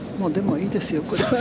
でもいいですよ。